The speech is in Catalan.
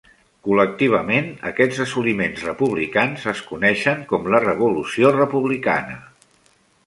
Col·lectivament, aquests assoliments republicans es coneixen com la Revolució Republicana.